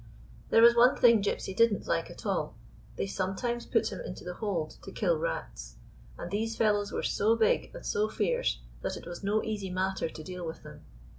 There was one thing Gypsy did n't like at all. They sometimes put him into the hold to kill rats, and these fellows were so big and so fierce that it was no easy matter to deal with them.